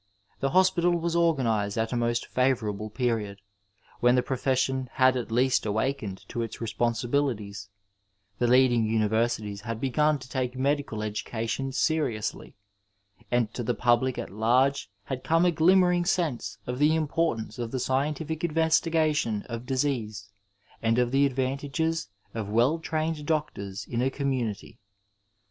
The hos pital was organized at a most favourable period, ^en tiie profession had at least awakened to its responsibilities, the leading universities had began to take medical education seriously, and to the public at large had come a glimmering sense of the importance of the scientific investigation of disease and of the advantages of well trained doctors in a community.